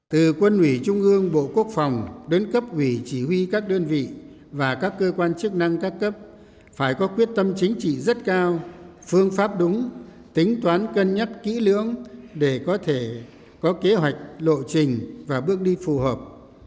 từ quân ủy trung ương bộ quốc phòng đến cấp ủy chỉ huy các đơn vị và các cơ quan chức năng các cấp phải có quyết tâm chính trị rất cao phương pháp đúng tính toán cân nhắc kỹ lưỡng để có thể có kế hoạch lộ trình và bước đi phù hợp